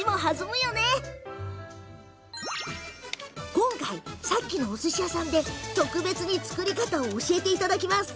今回、さっきのおすし屋さんで特別に作り方を教えていただきます。